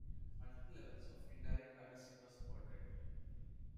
Multiple levels of indirect addressing were supported.